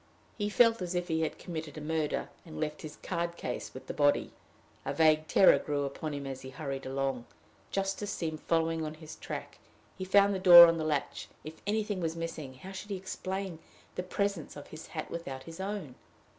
He felt as if he had committed a murder, and left his card case with the body. A vague terror grew upon him as he hurried along. Justice seemed following on his track. He had found the door on the latch: if anything was missing, how should he explain the presence of his hat without his own?